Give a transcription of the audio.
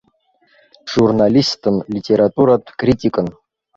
Джурналистын, литературатә критикын.